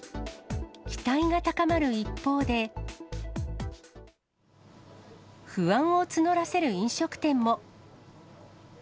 期待が高まる一方で、不安を募らせる飲食店も。